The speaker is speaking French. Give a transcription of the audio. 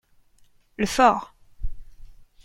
Le fort.